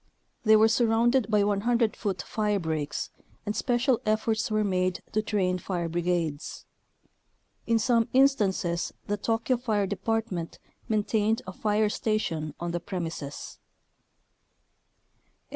They were surrounded by 100 foot firebreaks, and special efforts were made to train fire brigades. In some instances the Tokyo fire department maintained a fire station on the premises.